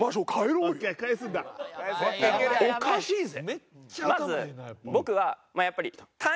おかしいぜ！